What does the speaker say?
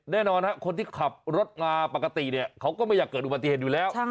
แน่นอนคนที่ขับรถมาปกติเนี่ยเขาก็ไม่อยากเกิดอุบัติเหตุอยู่แล้ว